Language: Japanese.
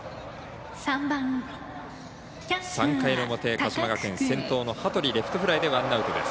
３回の表、鹿島学園先頭の羽鳥、レフトフライでワンアウトです。